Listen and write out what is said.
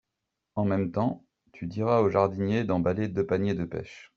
En même temps, tu diras au jardinier d’emballer deux paniers de pêches.